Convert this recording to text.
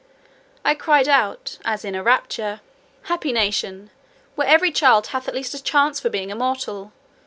I cried out, as in a rapture, "Happy nation, where every child hath at least a chance for being immortal!